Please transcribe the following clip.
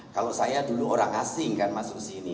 kalau saya dulu orang asing kan masuk sini